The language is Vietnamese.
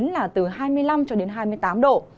là từ hai mươi năm cho đến hai mươi tám độ